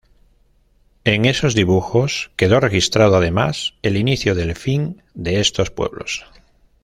En esos dibujos quedó registrado, además, el inicio del fin de estos pueblos.